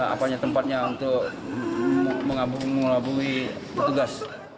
apanya tempatnya untuk mengelabui petugas